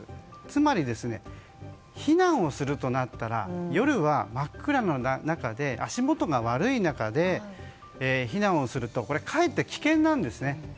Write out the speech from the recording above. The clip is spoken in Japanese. つまり、避難をするとなったら夜は真っ暗闇の中で足元が悪い中で避難をするとかえって危険なんですね。